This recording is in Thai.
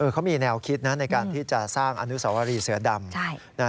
เขามีแนวคิดนะในการที่จะสร้างอนุสวรีเสือดำ